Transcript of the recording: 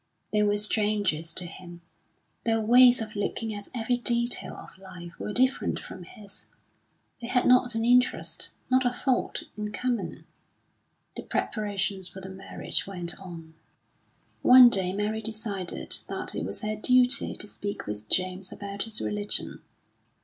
They were strangers to him; their ways of looking at every detail of life were different from his; they had not an interest, not a thought, in common.... The preparations for the marriage went on. One day Mary decided that it was her duty to speak with James about his religion.